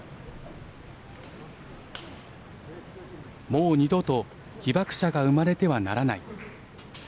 「もう二度と被爆者が生まれてはならない」。